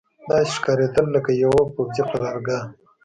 داسې ښکارېدل لکه یوه پوځي قرارګاه.